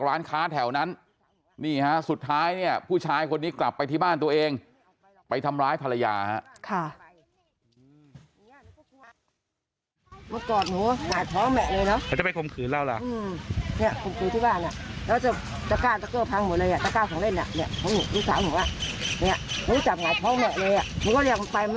ร้านค้าแถวนั้นนี่คราวสุดท้ายเนี่ยเข้าหนึ่งจับหยัดพ้อแหมะ